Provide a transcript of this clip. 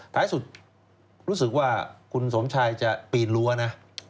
ท้ายสุดรู้สึกว่าคุณสมชายจะปีนรั้วนะ